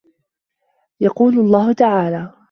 يَقُولُ اللَّهُ تَعَالَى